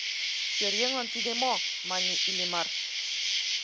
— Пӧръеҥлан тиде мо! — мане Иллимар.